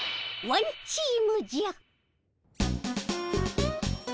ワンチームじゃ。